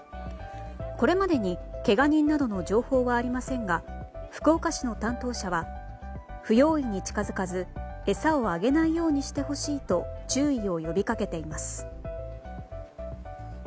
これまでにけが人などの情報はありませんが福岡市の担当者は不用意に近づかず餌をあげないようにしてほしいと注意を呼び掛けています。